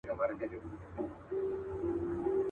پر شنو بانډو به ګرځېدله مست بېخوده زلمي.